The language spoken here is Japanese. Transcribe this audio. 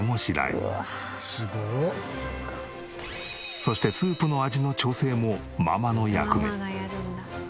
そしてスープの味の調整もママの役目。